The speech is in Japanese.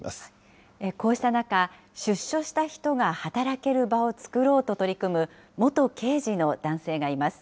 こうした中、出所した人が働ける場を作ろうと取り組む元刑事の男性がいます。